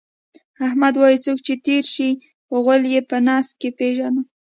احمد وایي: څوک چې تېر شي، غول یې په نس کې پېژنم.